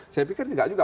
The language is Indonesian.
saya pikir tidak juga